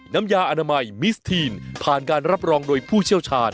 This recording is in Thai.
น้ำยาอนามัยมิสทีนผ่านการรับรองโดยผู้เชี่ยวชาญ